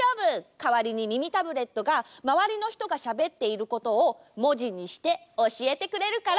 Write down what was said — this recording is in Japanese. かわりに耳タブレットがまわりのひとがしゃべっていることをもじにしておしえてくれるから。